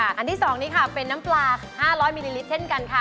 อันที่๒นี้ค่ะเป็นน้ำปลา๕๐๐มิลลิลิตรเช่นกันค่ะ